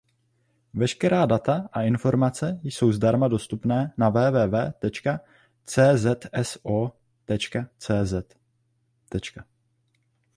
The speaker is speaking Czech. Veškerá data a informace jsou zdarma dostupné na www.czso.cz.